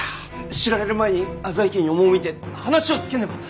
知られる前に浅井家に赴いて話をつけねば！